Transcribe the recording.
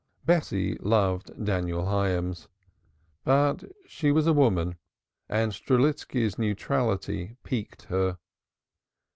Bessie loved Daniel Hyams, but she was a woman and Strelitski's neutrality piqued her.